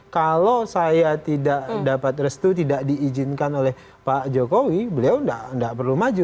kalau saya tidak dapat restu tidak diizinkan oleh pak jokowi beliau tidak perlu maju